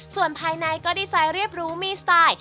ส่วนภายในก็ดีไซน์เรียบรู้มีสไตล์